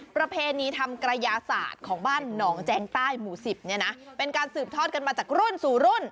ประเพณีทำกระยาศาสตร์ของบ้านหนองแจงใต้หมู่๑๐เนี่ยนะเป็นการสืบทอดกันมาจากรุ่นสู่รุ่น